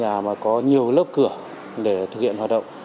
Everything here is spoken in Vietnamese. các nhà có nhiều lớp cửa để thực hiện hoạt động